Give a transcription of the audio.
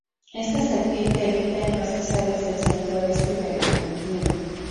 Esta serpiente habita en pastizales del centro-este de la Argentina.